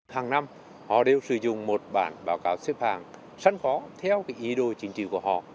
hàng năm họ đều sử dụng một bản báo cáo xếp hàng sẵn có theo ý đồ chính trị của họ